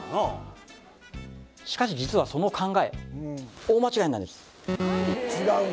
しかし実はその考え大間違いなんです